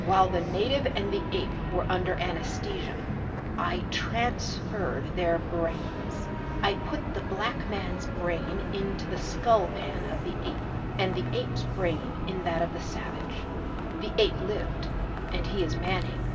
While the native and the ape were under anesthesia I transferred their brains. I put the black man's brain in the skull pan of the ape, and the ape's brain in that of the savage. The ape lived and he is Manape.